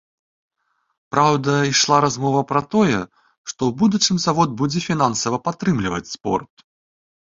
Праўда, ішла размова пра тое, што ў будучым завод будзе фінансава падтрымліваць спорт.